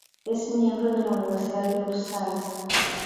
Es miembro de la Universidad de Upsala.